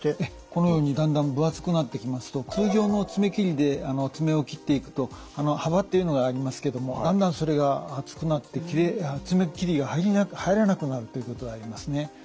このようにだんだん分厚くなってきますと通常の爪切りで爪を切っていくと幅っていうのがありますけどもだんだんそれが厚くなって爪切りが入らなくなるということがありますね。